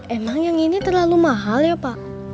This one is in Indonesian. emang yang ini terlalu mahal ya pak